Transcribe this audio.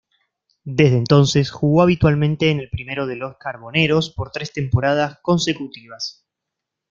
Desde entonces jugó habitualmente en el primero de los carboneros por tres temporadas consecutivas.